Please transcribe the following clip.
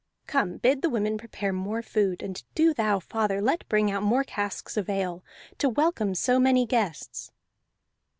Come, bid the women prepare more food; and do thou, father, let bring out more casks of ale, to welcome so many guests!"